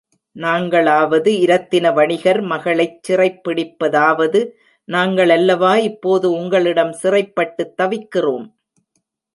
நாங்களாவது இரத்தின வணிகர் மகளைச் சிறைப்பிடிப்பதாவது நாங்களல்லவா இப்போது உங்களிடம் சிறைப்பட்டுத் தவிக்கிறோம்?